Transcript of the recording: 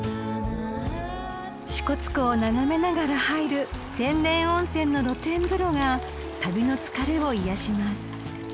［支笏湖を眺めながら入る天然温泉の露天風呂が旅の疲れを癒やします］